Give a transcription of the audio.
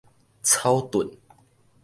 草屯